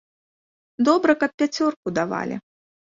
Добра, каб пяцёрку давалі.